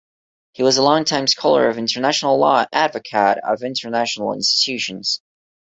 He was a longtime scholar of international law and advocate of international institutions.